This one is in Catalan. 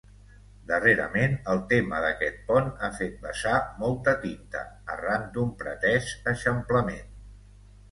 Darrerament el tema d'aquest pont ha fet vessar molta tinta, arran d'un pretès eixamplament.